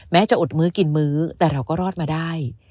จะอดมื้อกินมื้อแต่เราก็รอดมาได้